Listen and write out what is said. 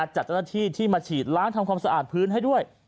จัดเจ้าหน้าที่ที่มาฉีดล้างทำความสะอาดพื้นให้ด้วย